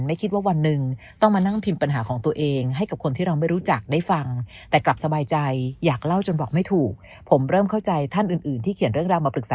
ไม่คิดว่าวันนึงต้องมานั่งพิมพ์ปัญหาของตัวเอง